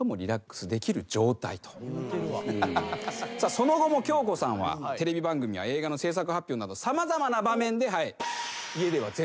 その後も恭子さんはテレビ番組や映画の製作発表など様々な場面ではい。